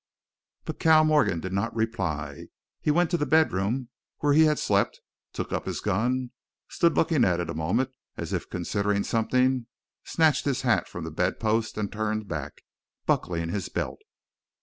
But Cal Morgan did not reply. He went to the bedroom where he had slept, took up his gun, stood looking at it a moment as if considering something, snatched his hat from the bedpost and turned back, buckling his belt.